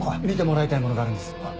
見てもらいたいものがあるんです。